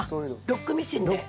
ロックミシン？